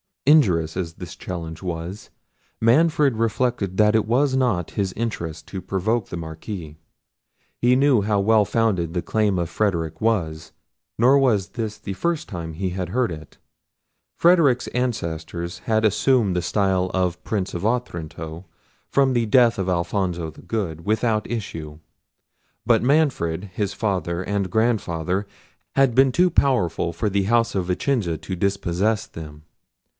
Injurious as this challenge was, Manfred reflected that it was not his interest to provoke the Marquis. He knew how well founded the claim of Frederic was; nor was this the first time he had heard of it. Frederic's ancestors had assumed the style of Princes of Otranto, from the death of Alfonso the Good without issue; but Manfred, his father, and grandfather, had been too powerful for the house of Vicenza to dispossess them.